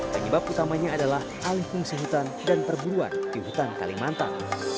penyebab utamanya adalah alih fungsi hutan dan perburuan di hutan kalimantan